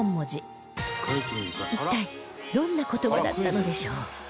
一体どんな言葉だったのでしょう？